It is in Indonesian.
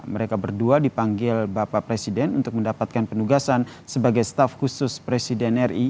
mereka berdua dipanggil bapak presiden untuk mendapatkan penugasan sebagai staf khusus presiden ri